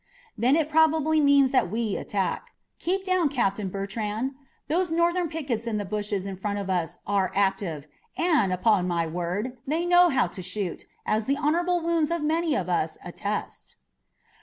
"Then it probably means that we attack. Keep down, Captain Bertrand! Those Northern pickets in the bushes in front of us are active, and, upon my word, they know how to shoot, as the honorable wounds of many of us attest!"